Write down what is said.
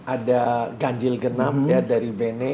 ada ganjil genap ya dari bene